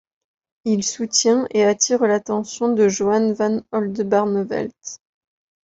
Il soutient et attire l'attention de Johan van Oldenbarnevelt.